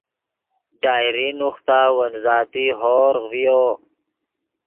ڈائری نوختا ون ذاتی ہورغ ڤیو